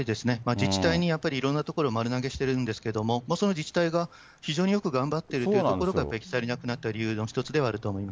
自治体にやっぱりいろんなところ、丸投げしてるんですけれども、その自治体が非常によく頑張っているというところが足りなくなった理由の一つではあると思います。